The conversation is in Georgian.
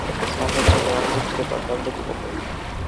საჰერცოგო ექვს დეპარტამენტად იყოფოდა.